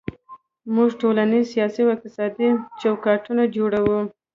موږ ټولنیز، سیاسي او اقتصادي چوکاټونه جوړوو.